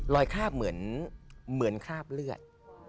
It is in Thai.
คราบเหมือนคราบเลือด